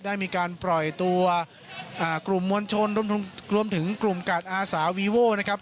ได้มีการปล่อยตัวกลุ่มมวลชนรวมถึงกลุ่มกาดอาสาวีโว่นะครับ